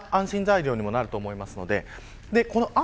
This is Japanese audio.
それが安心材料にもなると思います。